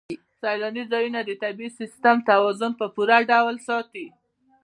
سیلاني ځایونه د طبعي سیسټم توازن په پوره ډول ساتي.